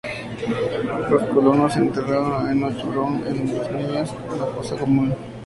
Los colonos enterraron a Enoch Brown y los niños en una fosa común.